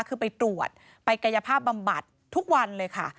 คือไปตรวจไปกายภาพบำบัดทุกวันเลยค่ะ